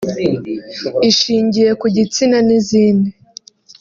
ishingiye ku gitsina n’izindi